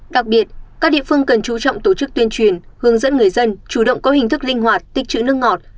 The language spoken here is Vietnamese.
đặc biệt các địa phương cần chú trọng tổ chức tuyên truyền hướng dẫn người dân chủ động có hình thức linh hoạt tích chữ nước ngọt